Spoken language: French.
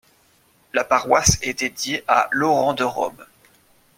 La paroisse est dédiée à Laurent de Rome.